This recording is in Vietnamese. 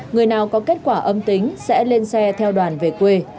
người nào có kết quả âm tính sẽ lên xe theo đoàn về quê